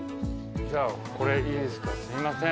じゃあこれいいですかすいません。